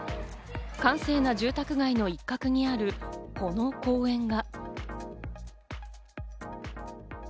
閑静な住宅街の一角にある、この公園が。